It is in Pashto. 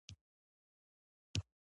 دا میوه د بدن طبیعي ساتندوی ده.